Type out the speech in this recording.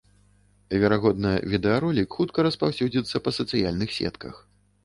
Верагодна, відэаролік хутка распаўсюдзіцца па сацыяльных сетках.